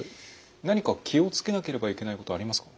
何か気を付けなければいけないことはありますか？